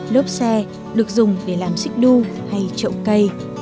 lốp xe được dùng để làm xích đu hay trậu cây